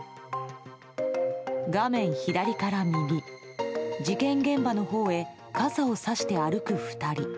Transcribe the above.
画面左から右、事件現場のほうへ傘をさして歩く２人。